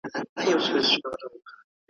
چي لږ مخکي له بل ځایه وو راغلی `